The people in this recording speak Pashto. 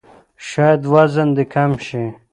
شاید وزن دې کم شي!